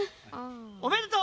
おめでとう！